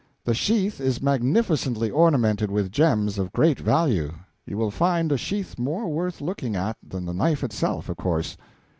The sheath is magnificently ornamented with gems of great value. You will find the sheath more worth looking at than the knife itself, of course."